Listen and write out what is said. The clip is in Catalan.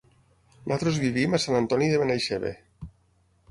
Nosaltres vivim a Sant Antoni de Benaixeve.